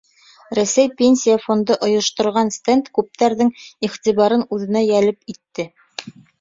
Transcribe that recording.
Рәсәй Пенсия фонды ойошторған стенд күптәрҙең иғтибарын үҙенә йәлеп итте.